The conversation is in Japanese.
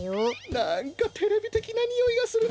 なんかテレビてきなにおいがするな。